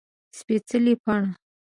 سپيڅلي پاڼې